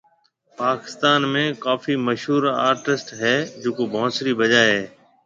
پاڪستان ۾ ڪافي مشھور ارٽسٽ ھيَََ جڪو بانسري بجائي ھيَََ